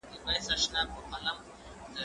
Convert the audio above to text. زه هره ورځ ليک لولم!؟